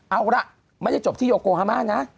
เอาล่ะไม่ได้จบที่โยโกฮามานะ